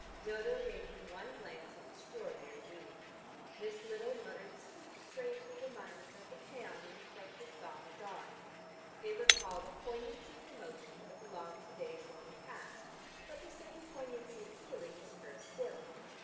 Dodo gave him one glance of extraordinary meaning. This little muttered speech strangely reminded her of the pæan in the thrush's song at dawn. It recalled a poignancy of emotion that belonged to days long past, but the same poignancy of feeling was hers still.